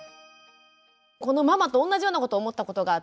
このママとおんなじようなこと思ったことがあって。